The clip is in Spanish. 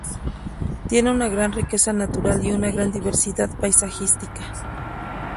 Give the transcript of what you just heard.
Tiene una gran riqueza natural y una gran diversidad paisajística.